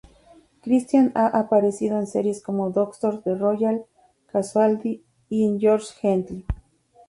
Christian ha aparecido en series como Doctors, "The Royal", Casualty y en "George Gently".